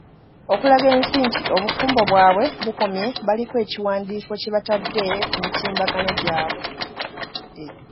Okulaga ensi nti obufumbo bwabwe bukomye baliko ekiwandiiko kye batadde ku mitimbagano gyabwe.